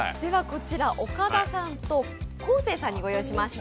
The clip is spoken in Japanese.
こちら岡田さんと昴生さんにご用意し増し。